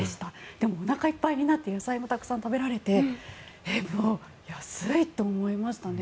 でも、おなか一杯になって野菜もたくさん食べられて安い！と思いましたね。